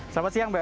selamat siang mbak